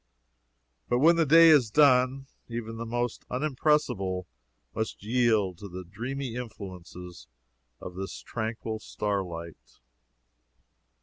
But when the day is done, even the most unimpressible must yield to the dreamy influences of this tranquil starlight.